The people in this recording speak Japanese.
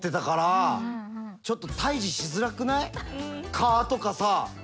蚊とかさ。